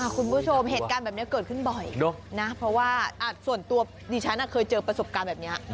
คุณผู้ชมเหตุการณ์แบบนี้เกิดขึ้นบ่อยนะเพราะว่าส่วนตัวดิฉันเคยเจอประสบการณ์แบบนี้